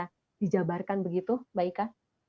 bisa dijabarkan begitu mbak ika